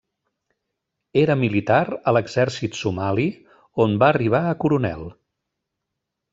Era militar a l'exèrcit somali on va arribar a coronel.